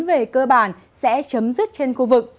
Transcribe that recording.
về cơ bản sẽ chấm dứt trên khu vực